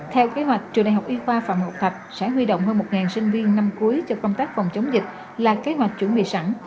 theo kế hoạch trường đại học y khoa phạm học tập sẽ huy động hơn một sinh viên năm cuối cho công tác phòng chống dịch là kế hoạch chuẩn bị sẵn